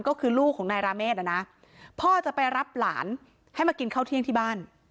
ก็คือลูกของนายราเมฆนะพ่อจะไปรับหลานให้มากินข้าวเที่ยงที่บ้าน